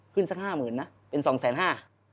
สักห้าหมื่นนะเป็นสองแสนห้า